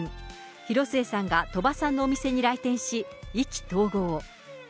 広末さんが鳥羽さんのお店に来店し、意気投合。